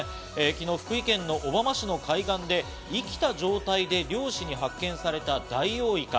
昨日、福井県の小浜市の海岸で生きた状態で漁師に発見されたダイオウイカ。